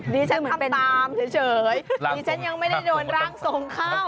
ดิฉันทำตามเฉยดิฉันยังไม่ได้โดนร่างทรงเข้า